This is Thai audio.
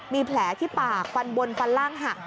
มีแผลที่ปากฟันบนฟันล่างหัก